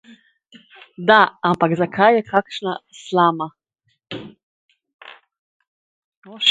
Da, ampak zakaj je kakšna slama?